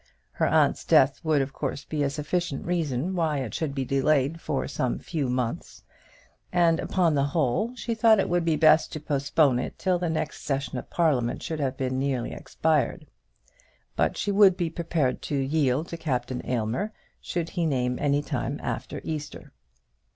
Her aunt's death would of course be a sufficient reason why it should be delayed for some few months; and, upon the whole, she thought it would be best to postpone it till the next session of Parliament should have nearly expired. But she would be prepared to yield to Captain Aylmer, should he name any time after Easter.